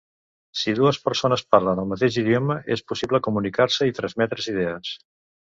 Si dues persones parlen el mateix idioma, és possible comunicar-se i transmetre's idees.